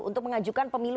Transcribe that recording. untuk mengajukan pemilu